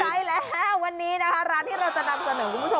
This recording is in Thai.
ใช่แล้ววันนี้นะคะร้านที่เราจะนำเสนอคุณผู้ชม